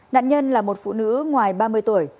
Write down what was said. nạn nhân là một phụ nữ ngoài ba mươi tuổi